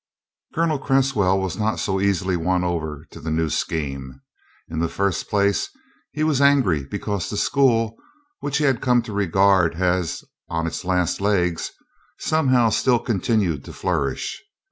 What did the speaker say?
Colonel Cresswell was not so easily won over to the new scheme. In the first place he was angry because the school, which he had come to regard as on its last legs, somehow still continued to flourish.